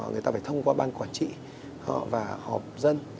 người ta phải thông qua ban quản trị và họp dân